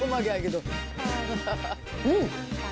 うん。